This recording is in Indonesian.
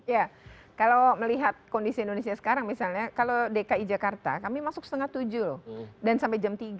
ya kalau melihat kondisi indonesia sekarang misalnya kalau dki jakarta kami masuk setengah tujuh loh dan sampai jam tiga